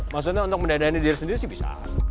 maksudnya untuk mendadani diri sendiri sih bisa